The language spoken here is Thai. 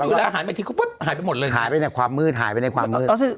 เวลาหายไปทีก็ปุ๊บหายไปหมดเลยหายไปในความมืดหายไปในความมืด